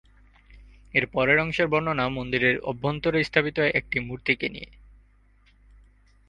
এর পরের অংশের বর্ণনা মন্দিরের অভ্যন্তরে স্থাপিত একটি মূর্তিকে নিয়ে।